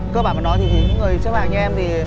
cơ bản mà nói thì những người xếp hàng như em thì